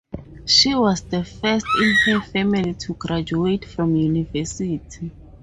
She was the first in her family to graduate from university.